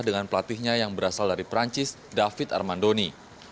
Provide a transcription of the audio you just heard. dengan pelatihnya yang berasal dari perancis david armandoni